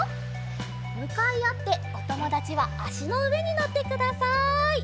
むかいあっておともだちはあしのうえにのってください。